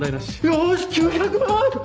よし９００万！